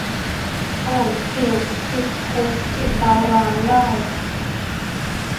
อาจเสี่ยงติดคุกติดตะรางได้